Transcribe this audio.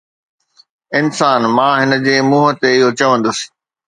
انسان، مان هن جي منهن تي اهو چوندس